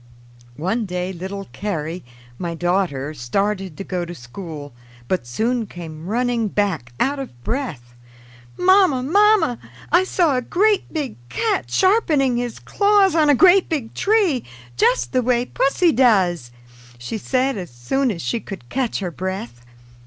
One day little Carrie, my daughter, started to go to school, but soon came running back out of breath. "Mamma! Mamma! I saw a great big cat sharpening his claws on a great big tree, just the way pussy does!" she said as soon as she could catch her breath.